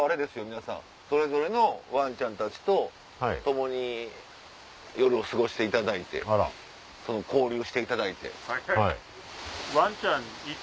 皆さんそれぞれのワンちゃんたちと共に夜を過ごしていただいて交流していただいて。